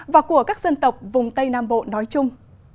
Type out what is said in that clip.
và của các dân tộc vùng tây nam bộ nói chung